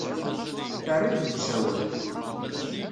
Terriḍ deg usawal.